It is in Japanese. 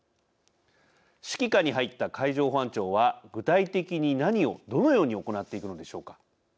指揮下に入った海上保安庁は具体的に何をどのように行っているのでしょうか。